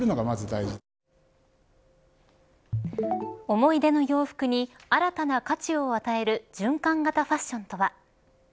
思い出の洋服に新たな価値を与える循環型ファッションとは。